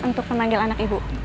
untuk memanggil anak ibu